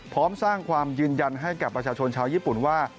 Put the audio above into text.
พร้อมสร้างความยืนยันให้กับประชาชนชาวญี่ปุ่นว่า